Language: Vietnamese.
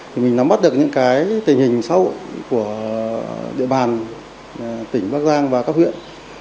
thì mình nắm bắt được những cái tình hình sâu của địa bàn tỉnh bắc giang và các huyện